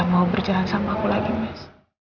mau berjalan sama aku lagi mas